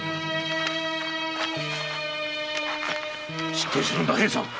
しっかりするんだ平さん！